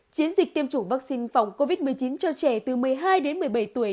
chiến dịch tiêm chủng vaccine phòng covid một mươi chín cho trẻ từ một mươi hai đến một mươi bảy tuổi